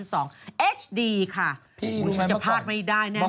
พี่รู้มั้ยเมื่อก่อนฉันจะพลาดไม่ได้แน่นอน